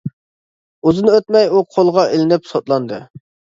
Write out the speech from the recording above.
ئۇزۇن ئۆتمەي، ئۇ قولغا ئېلىنىپ سوتلاندى.